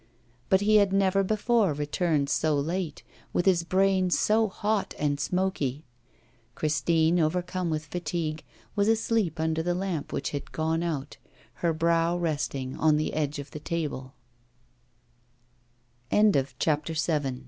But he had never before returned so late, with his brain so hot and smoky. Christine, overcome with fatigue, was asleep under the lamp, which had gone out, her brow resting on the edge of the table.